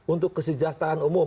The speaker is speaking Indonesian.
untuk kesejahteraan umum